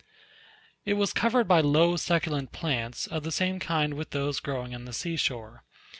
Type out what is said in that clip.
It was covered by low succulent plants, of the same kind with those growing on the sea shore.